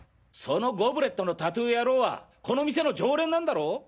そのゴブレットのタトゥー野郎はこの店の常連なんだろ？